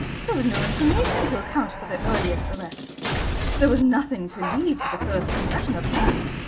There was no information to account for the earliest arrests. There was nothing to lead to the first confession obtained.